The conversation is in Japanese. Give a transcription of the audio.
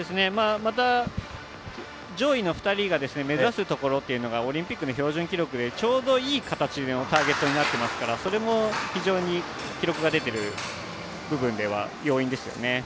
また、上位の２人が目指すところがオリンピックの標準記録でちょうどいい形のターゲットになっていますから、それも非常に記録が出ている要因ですね。